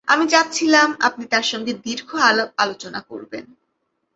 আমি চাচ্ছিলাম আপনি তার সঙ্গে দীর্ঘ আলাপ-আলোচনা করবেন।